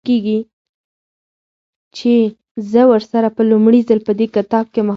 چې زه ورسره په لومړي ځل په دې کتاب کې مخ شوم.